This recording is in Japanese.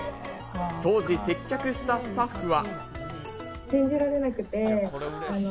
当時、接客したスタッフは。